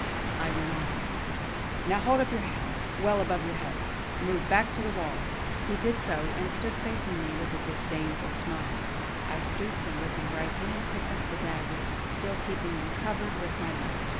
I went on: "Now hold up your hands, well above your head! Move back to the wall!" He did so, and stood facing me with a disdainful smile. I stooped, and with my right hand picked up the dagger, still keeping him covered with my left.